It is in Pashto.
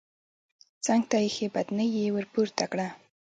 څنګ ته ايښی بدنۍ يې ورپورته کړه.